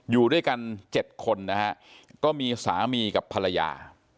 อยู่ด้วยกัน๗คนนะฮะก็มีสามีกับภรรยา